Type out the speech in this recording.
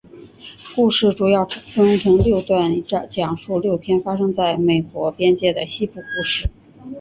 故事主要分成六段以讲述六篇发生在美国边界的西部故事。